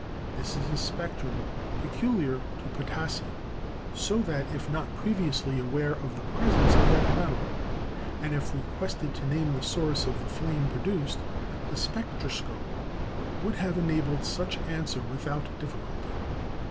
This is the spectrum peculiar to potassium; so that, if not previously aware of the presence of that metal, and if requested to name the source of the flame produced, the spectroscope would have enabled such answer without difficulty.